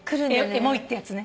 エモいってやつね。